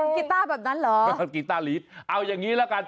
กีต้าแบบนั้นเหรอกีต้าลีดเอาอย่างนี้ละกัน